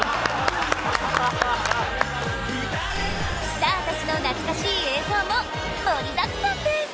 スターたちの懐かしい映像も盛りだくさんです！